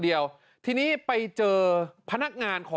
ที่กะบี่ขออภัย